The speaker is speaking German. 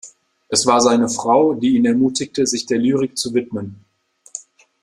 Es war seine Frau, die ihn ermutigte, sich der Lyrik zu widmen.